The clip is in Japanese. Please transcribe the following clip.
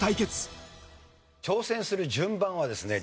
挑戦する順番はですね